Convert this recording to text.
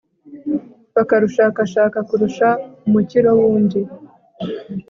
bakarushakashaka kurusha umukiro wundi